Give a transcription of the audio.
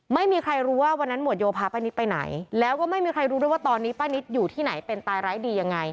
ไม่มีใครรู้ว่าวันนั้นหมวดโยพาป้านิตไปไหนแล้วก็ไม่มีใครรู้ด้วยว่าตอนนี้ป้านิตอยู่ที่ไหนเป็นตายร้ายดียังไง